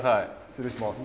失礼します。